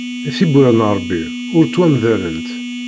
Tibbura n Ṛebbi ur ttwamdalent.